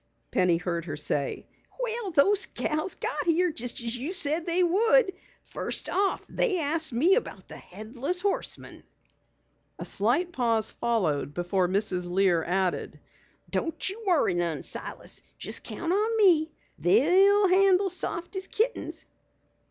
Penny heard her say. "Well, those gals got here, just as you said they would! First off they asked me about the Headless Horseman." A slight pause followed before Mrs. Lear added: "Don't you worry none, Silas. Just count on me! They'll handle soft as kittens!"